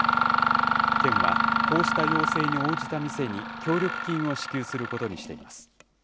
県はこうした要請に応じた店に協力金を支給することにしています。